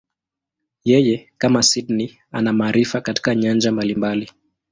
Yeye, kama Sydney, ana maarifa katika nyanja mbalimbali.